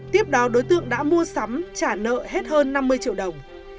tiếp đó đối tượng đã mua sắm trả nợ hết hơn năm mươi triệu đồng